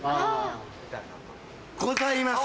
ございます！